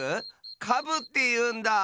カブっていうんだ！